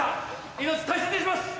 命大切にします！